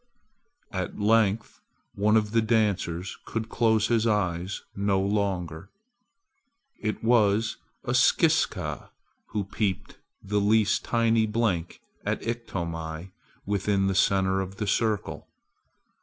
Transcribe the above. At length one of the dancers could close his eyes no longer! It was a Skiska who peeped the least tiny blink at Iktomi within the center of the circle.